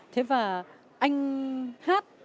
thế và anh hát